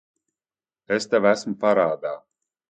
Es tev esmu parādā.